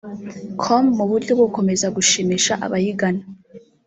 com mu buryo bwo gukomeza gushimisha abayigana